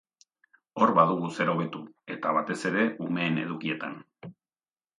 Hor badugu zer hobetu, eta, batez ere, umeen edukietan.